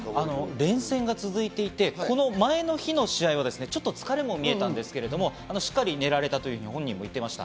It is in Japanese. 連戦が続いていて、この前の日の試合は疲れも見えたんですけど、しっかり寝られたと本人も言ってました。